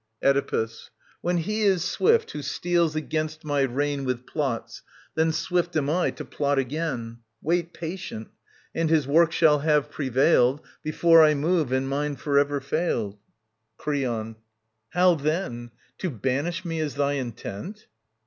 Oedipus. When he is swift who steals against my reign With plots, then swift am I to plot again. Wait patient, and his work shall have prevailed Before I move, and mine for ever failed. Creon. How then ? To banish me is thy intent